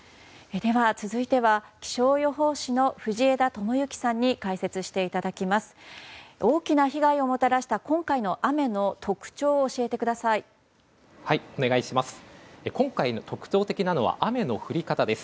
では、続いては気象予報士の藤枝知行さんに解説していただきます。